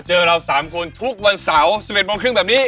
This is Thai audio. เจอเรา๓คนทุกวันเสาร์๑๑โมงครึ่งแบบนี้